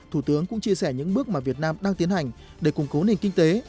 thủ tướng cũng chia sẻ những bước mà việt nam đang tiến hành để củng cố nền kinh tế